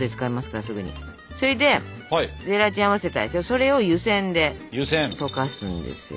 それを湯せんで溶かすんですよ。